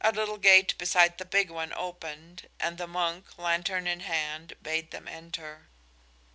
A little gate beside the big one opened and the monk, lantern in hand, bade them enter.